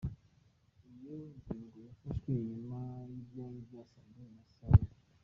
Iyo ngingo yafashwe inyuma y'ivyari vyasabwe na Seoul.